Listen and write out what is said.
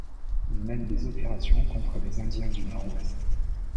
Il mène des opérations contre les indiens du nord-ouest.